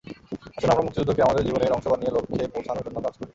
আসুন আমরা মুক্তিযুদ্ধকে আমাদের জীবনের অংশ বানিয়ে লক্ষ্যে পৌঁছানোর জন্য কাজ করি।